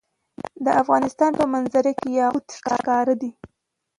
د افغانستان په منظره کې یاقوت ښکاره ده.